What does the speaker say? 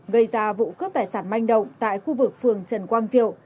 gây ra vụ cướp tài sản manh động tại khu vực phường trần quang diệu